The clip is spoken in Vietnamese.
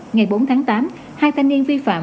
ngày bốn tháng tám hai thanh niên vi phạm